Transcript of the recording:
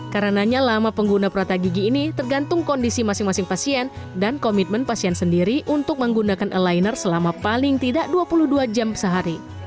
karena lama pengguna perata gigi ini tergantung kondisi masing masing pasien dan komitmen pasien sendiri untuk menggunakan aligner selama paling tidak dua puluh dua jam sehari